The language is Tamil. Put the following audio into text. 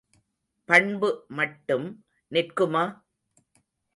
பண்பு மட்டும் நிற்குமா?